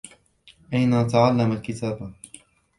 أين تعلّم الكتابة؟